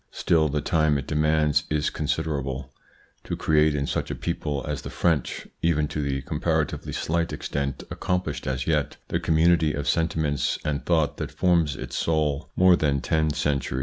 Still, the time it demands is considerable. To create in such a people as the French, even to the comparatively slight extent accomplished as yet, the community of sentiments and thought that forms its soul, more than ten cen 12 THE PSYCHOLOGY OF PEOPLES: turies have been necessary.